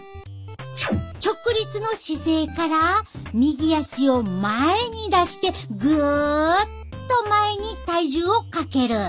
直立の姿勢から右足を前に出してぐっと前に体重をかける。